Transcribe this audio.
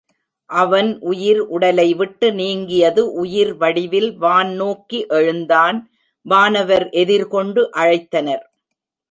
அவன் உயிர் உடலைவிட்டு நீங்கியது உயிர் வடிவில் வான் நோக்கி எழுந்தான் வானவர் எதிர்கொண்டு அழைத்தனர்.